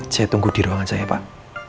saya tunggu di ruangan saya pak